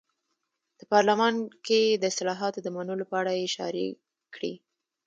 د پارلمان کې د اصلاحاتو د منلو په اړه یې اشاره کړې.